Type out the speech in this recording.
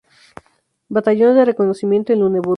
Batallón de reconocimiento en Luneburgo.